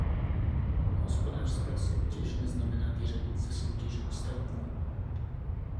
Hospodářská soutěž neznamená vyřadit ze soutěže ostatní.